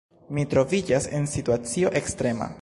Mi troviĝas en situacio ekstrema.